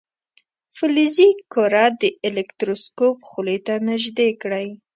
فلزي کره د الکتروسکوپ خولې ته نژدې کړئ.